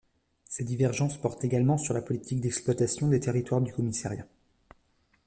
Ces divergences portent également sur la politique d'exploitation des territoires du commissariat.